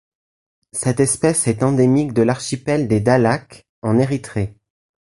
Cette espèce est endémique de l'archipel des Dahlak en Érythrée.